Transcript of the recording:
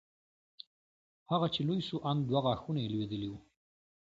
هغه چې لوى سو ان دوه غاښونه يې لوېدلي وو.